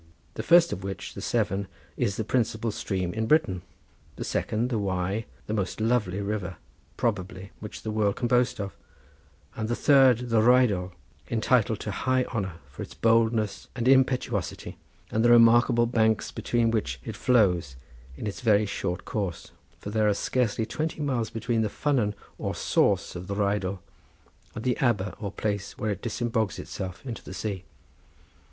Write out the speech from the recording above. The first of which, the Severn, is the principal stream in Britain; the second, the Wye, the most lovely river, probably, which the world can boast of; and the third, the Rheidol, entitled to high honour from its boldness and impetuosity, and the remarkable banks between which it flows in its very short course, for there are scarcely twenty miles between the ffynnon or source of the Rheidol and the aber or place where it disembogues itself into the sea.